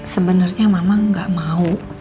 sebenarnya mama nggak mau